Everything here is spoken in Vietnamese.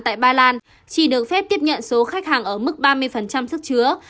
tại ba lan chỉ được phép tiếp nhận số khách hàng ở mức ba mươi sức chứa